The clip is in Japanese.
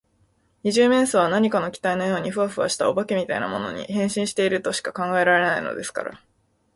二十面相は何か気体のようにフワフワした、お化けみたいなものに、変身しているとしか考えられないのですから。